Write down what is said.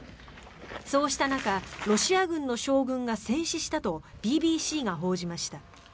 そうした中ロシア軍の将軍が戦死したとＢＢＣが報じました。